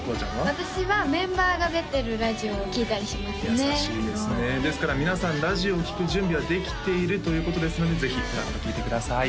私はメンバーが出てるラジオを聴いたりしますね優しいですねですから皆さんラジオを聴く準備はできているということですのでぜひふらっと聴いてください